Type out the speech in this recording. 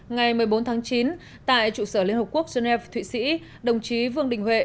ngày một mươi bốn tháng chín tại trụ sở liên hợp quốc geneva thụy sĩ đồng chí vương đình huệ